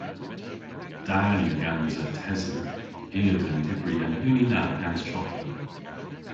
Da yw gansa tesen. I a vynn dybri an huni na gans choklet.